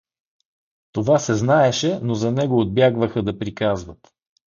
Това се знаеше, но за него отбягваха да приказват.